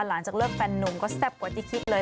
หลังจากเลิกแฟนนุ่มก็แซ่บกว่าที่คิดเลย